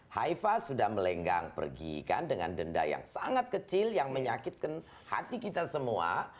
hifa sudah melenggang pergi kan dengan denda yang sangat kecil yang menyakitkan hati kita semua